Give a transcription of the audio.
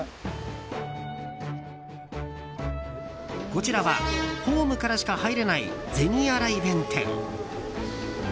こちらはホームからしか入れない銭洗弁天。